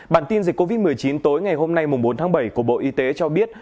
bản tin dịch covid một mươi chín tối ngày hôm nay bốn tháng bảy của bộ y tế cho biết